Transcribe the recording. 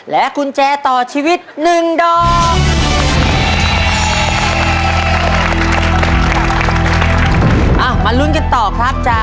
กุญแจต่อชีวิต๑ดอก